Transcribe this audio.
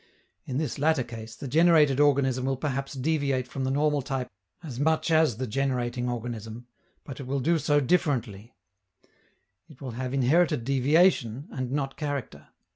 In this latter case, the generated organism will perhaps deviate from the normal type as much as the generating organism, but it will do so differently. It will have inherited deviation and not character.